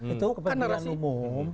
itu kepentingan umum